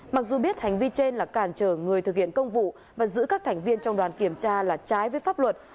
mặc dù biết hành vi trên là cản trở người thực hiện công vụ và giữ các thành viên trong đoàn kiểm tra là trái với pháp luật